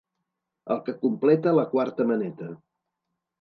El que completa la quarta maneta.